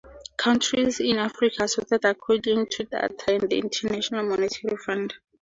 Countries in Africa are sorted according to data from the International Monetary Fund.